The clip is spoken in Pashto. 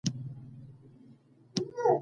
نجونې به تر هغه وخته پورې په ډاډه زړه درس وايي.